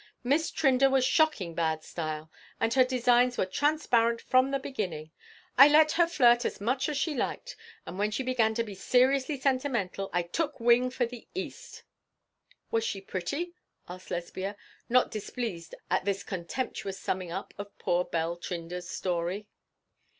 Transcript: Miss Trinder was shocking bad style, and her designs were transparent from the very beginning! I let her flirt as much as she liked; and when she began to be seriously sentimental I took wing for the East.' 'Was she pretty?' asked Lesbia, not displeased at this contemptuous summing up of poor Belle Trinder's story.